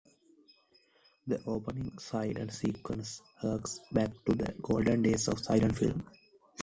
The opening silent sequence harks back to the golden days of silent film.